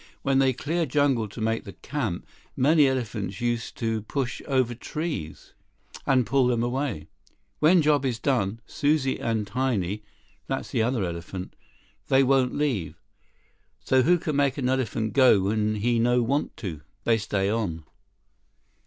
"When they clear jungle to make the camp, many elephants used to push over trees, and pull them away. When job is done, Suzie and Tiny, that's the other elephant, they won't leave. So—who can make an elephant go when he no want to? They stay on."